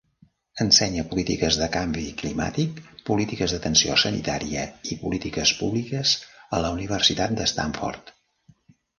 Ensenya polítiques de canvi climàtic, polítiques d'atenció sanitària i polítiques públiques a la Universitat de Stanford.